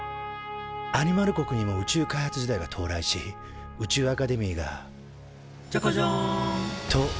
アニマル国にも宇宙開発時代が到来し宇宙アカデミーが「じゃかじゃん！」と誕生。